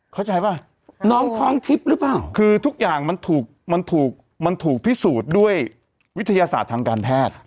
เข้าใจป่ะน้องคล้องทิศหรือเปล่าคือทุกอย่างมันถูกพิสูจน์ด้วยวิทยาศาสตร์ทางการแพทย์